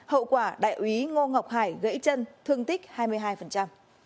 hậu quả đại úy ngô ngọc hải gãy chân thương tích hai mươi hai